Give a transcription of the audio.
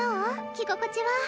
着心地は。